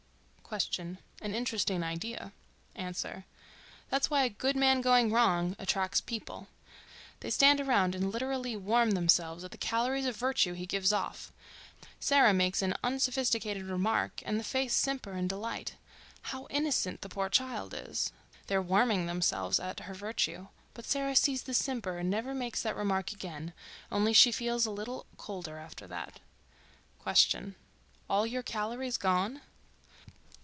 Q.—An interesting idea. A.—That's why a "good man going wrong" attracts people. They stand around and literally warm themselves at the calories of virtue he gives off. Sarah makes an unsophisticated remark and the faces simper in delight—"How innocent the poor child is!" They're warming themselves at her virtue. But Sarah sees the simper and never makes that remark again. Only she feels a little colder after that. Q.—All your calories gone?